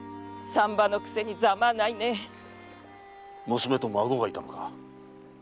娘と孫がいたのか。